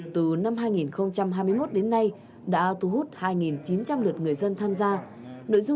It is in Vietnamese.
từ năm hai nghìn hai mươi một đến nay đã thu hút hai chín trăm linh lượt người dân tham gia